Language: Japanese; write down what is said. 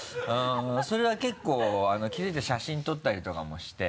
それは結構気づいて写真撮ったりとかもして？